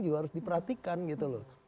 juga harus diperhatikan gitu loh